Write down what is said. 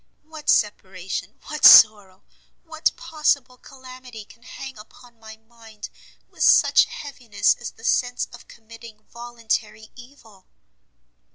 What separation, what sorrow, what possible calamity can hang upon my mind with such heaviness, as the sense of committing voluntary evil?"